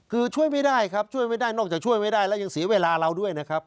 คือช่วยไม่ได้ครับช่วยไม่ได้นอกจากช่วยไม่ได้แล้วยังเสียเวลาเราด้วยนะครับ